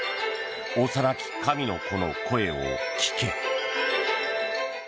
「幼き神の子の声を聞け」。